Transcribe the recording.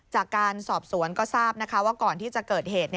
จากการสอบสวนก็ทราบว่าก่อนที่จะเกิดเหตุ